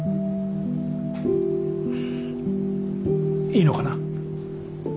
いいのかな？